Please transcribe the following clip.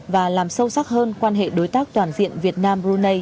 và làm sâu sắc hơn quan hệ đối tác toàn diện việt nam brunei